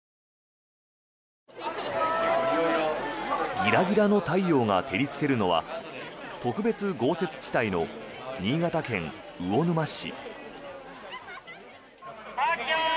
ギラギラの太陽が照りつけるのは特別豪雪地帯の新潟県魚沼市。